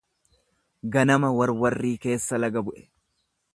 Ganama warwarrii keessa laga bu'e.